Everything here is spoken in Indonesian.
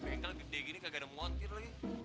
bengkel gede gini kagak ada montir lagi